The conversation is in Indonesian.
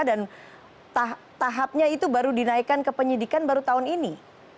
dan tahapnya itu baru dinaikkan ke penyidikan baru tahun ini